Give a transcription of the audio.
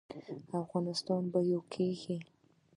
افغانستان به یو کیږي